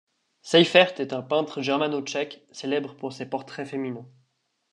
Seifert est un peintre germano-tchèque, célèbre pour ses portraits féminins.